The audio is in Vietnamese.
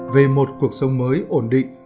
về một cuộc sống mới ổn định